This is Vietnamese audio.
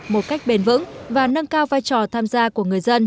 một cách bền vững và nâng cao vai trò tham gia của người dân